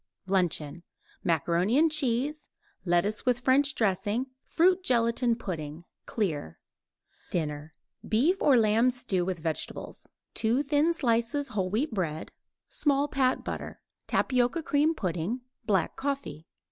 LUNCHEON Macaroni and cheese; lettuce with French dressing; fruit gelatine pudding (clear). DINNER Beef or lamb stew with vegetables; 2 thin slices whole wheat bread; small pat butter; tapioca cream pudding; black coffee.